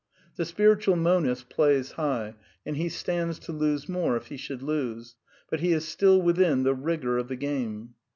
The spiritual monist plays high, and he stands to lose more, if he should lose ; but he is still within the rigour of the game.